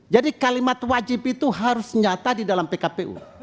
jadi kalimat wajib itu harus nyata di dalam pkpu